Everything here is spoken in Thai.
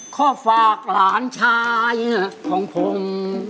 ขอฝากหลานชายของผม